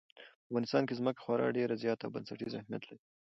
په افغانستان کې ځمکه خورا ډېر زیات او بنسټیز اهمیت لري.